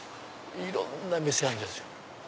いろんな店あるんですよ。